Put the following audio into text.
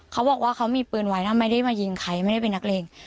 เขาบอกว่าเขามีปืนไว้ถ้าไม่ได้มายิงใครไม่ได้เป็นนักเลง